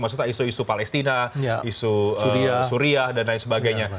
maksudnya isu isu palestina isu suriah dan lain sebagainya